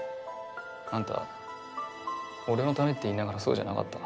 あんた俺のためって言いながらそうじゃなかった。